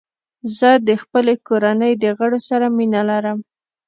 زه د خپلې کورنۍ د غړو سره مینه لرم.